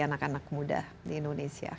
anak anak muda di indonesia